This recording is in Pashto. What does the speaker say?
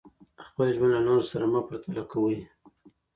خپل ژوند له نورو سره مه پرتله کوئ.